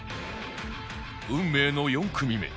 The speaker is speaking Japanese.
運命の４組目